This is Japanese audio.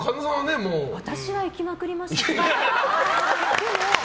私は行きまくりましたけど。